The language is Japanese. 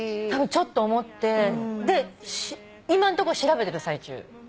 ちょっと思って今んとこ調べてる最中。